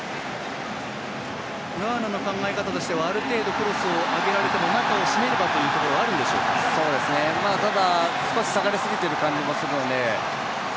ガーナの考え方としてはある程度クロスを上げられたとしても中を閉めればというところはただ、少し下がりすぎてる感じもするので。